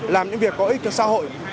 làm những việc có ích cho xã hội